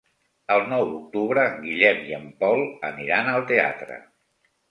El nou d'octubre en Guillem i en Pol aniran al teatre.